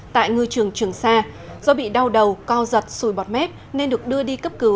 tại ngư trường trường sa do bị đau đầu co giật sùi bọt mép nên được đưa đi cấp cứu